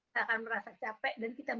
tak akan merasa capek dan kita